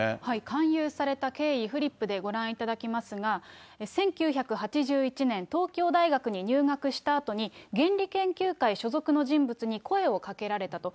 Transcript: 勧誘された経緯、フリップでご覧いただきますが、１９８１年、東京大学に入学したあとに、原理研究会所属の人物に声をかけられたと。